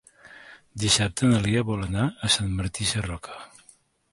Dissabte na Lea vol anar a Sant Martí Sarroca.